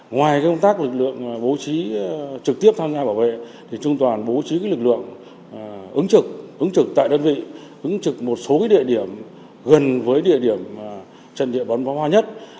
ngoài công tác lực lượng bố trí trực tiếp tham gia bảo vệ trung đoàn bố trí lực lượng ứng trực ứng trực tại đơn vị ứng trực một số địa điểm gần với địa điểm trận địa bắn phá hoa nhất